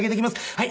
はい。